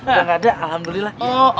udah nggak ada alhamdulillah